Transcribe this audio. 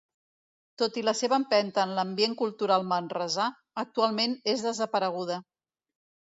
Tot i la seva empenta en l'ambient cultural manresà, actualment és desapareguda.